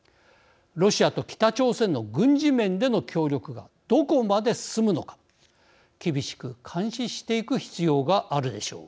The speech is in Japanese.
ロシアと北朝鮮の軍事面での協力がどこまで進むのか厳しく監視していく必要があるでしょう。